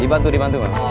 dibantu dibantu kan